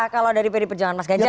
kalau dari pd perjuangan mas ganjar